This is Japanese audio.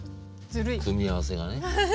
組み合わせがね。